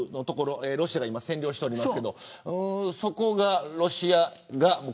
今ロシアが占領しています。